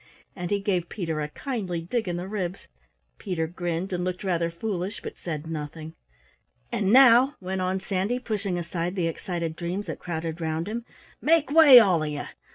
And he gave Peter a kindly dig in the ribs. Peter grinned and looked rather foolish but said nothing. "And now," went on Sandy, pushing aside the excited dreams that crowded round him, "make way, all of you!